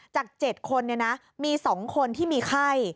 จาก๗คนมี๒คนที่มีไข้